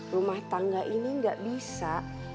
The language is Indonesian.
rumah tangga ini nggak bisa